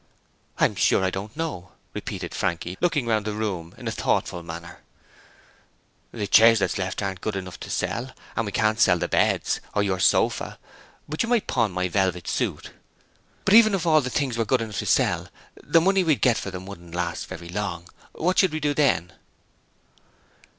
'I'm sure I don't know,' repeated Frankie, looking round the room in a thoughtful manner, 'The chairs that's left aren't good enough to sell, and we can't sell the beds, or your sofa, but you might pawn my velvet suit.' 'But even if all the things were good enough to sell, the money we'd get for them wouldn't last very long, and what should we do then?'